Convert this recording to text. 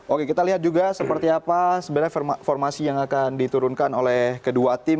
oke kita lihat juga seperti apa sebenarnya formasi yang akan diturunkan oleh kedua tim